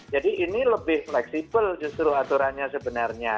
jadi ini lebih fleksibel justru aturannya sebenarnya